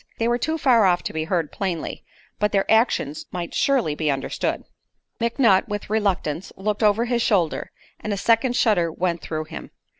They were too far off to be heard plainly, but their actions might surely be understood. McNutt with reluctance looked over his shoulder, and a second shudder went through him.